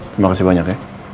terima kasih banyak ya